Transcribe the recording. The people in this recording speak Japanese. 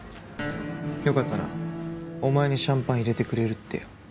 良かったなお前にシャンパン入れてくれるってよ。